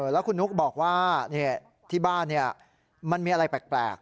แล้วคุณนุ๊กบอกว่าที่บ้านมันมีอะไรแปลก